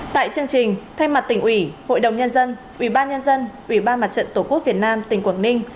tại chương trình thay mặt tỉnh ủy hội đồng nhân dân ủy ban nhân dân ủy ban mặt trận tổ quốc việt nam tỉnh quảng ninh